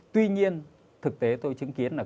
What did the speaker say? tuy nhiên thực tế tôi chứng kiến là